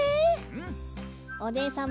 おねえさん